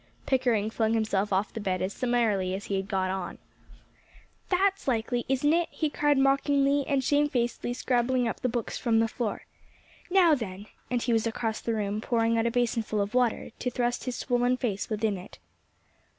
Pickering flung himself off the bed as summarily as he had gone on. "That's likely, isn't it?" he cried mockingly, and shamefacedly scrabbling up the books from the floor. "Now, then," and he was across the room, pouring out a basinful of water, to thrust his swollen face within it.